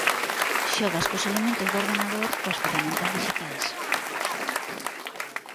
Xogas cos elementos do ordenador, coas ferramentas dixitais.